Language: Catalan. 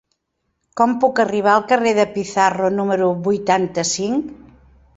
Com puc arribar al carrer de Pizarro número vuitanta-cinc?